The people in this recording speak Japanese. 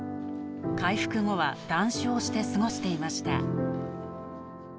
回復後は断酒をして過ごしていました。